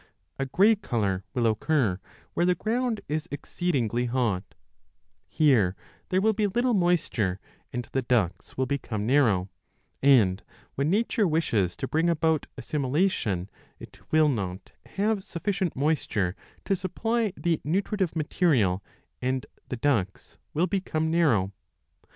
15 A grey colour will occur where the ground is exceedingly hot ; here there will be little moisture and the ducts will become narrow, and when nature wishes to bring about assimilation it will not have sufficient moisture to supply the nutritive material and the ducts will become narrow.